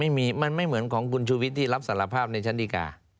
ไม่มีไม่เหมือนของคุณชูวิทรี่รับสารภาพในสัญลิกา